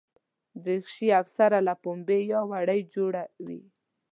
دریشي اکثره له پنبې یا وړۍ جوړه وي.